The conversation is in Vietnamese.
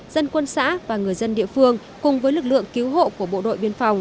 dân quân xã và người dân địa phương cùng với lực lượng cứu hộ của bộ đội biên phòng